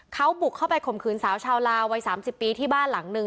เขาบุกเข้าไปข่มขืนสาวชาวลาววัย๓๐ปีที่บ้านหลังนึง